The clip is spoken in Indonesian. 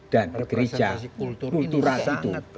dan bekerja kultura itu